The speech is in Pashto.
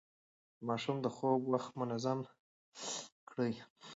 د ماشوم د خوب وخت منظم تنظيم کړئ.